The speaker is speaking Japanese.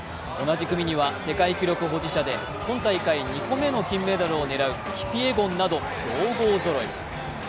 同じく２組には世界記録保持者で今大会２個目の金メダルを狙うキピエゴンなど強豪ぞろい。